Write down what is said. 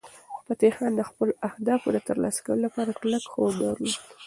فتح خان د خپلو اهدافو د ترلاسه کولو لپاره کلک هوډ درلود.